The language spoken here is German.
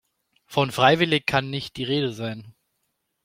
Von freiwillig kann nicht die Rede sein.